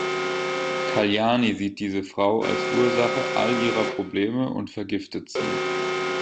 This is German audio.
Kalyani sieht diese Frau als Ursache all ihrer Probleme und vergiftet sie.